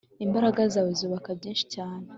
imbaraga zawe zubaka byinshi cyane